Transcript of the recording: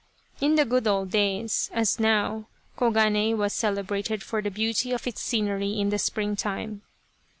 In the good old days, as now, Koganei was cele brated for the beauty of its scenery in the springtime.